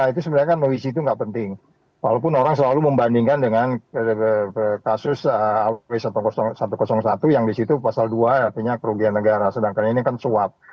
itu sebenarnya kan noisi itu nggak penting walaupun orang selalu membandingkan dengan kasus satu ratus satu yang disitu pasal dua artinya kerugian negara sedangkan ini kan suap